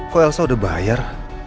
kok elsa udah bayar